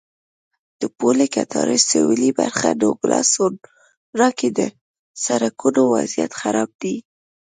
د پولې کټارو سوېلي برخه نوګالس سونورا کې د سړکونو وضعیت خراب دی.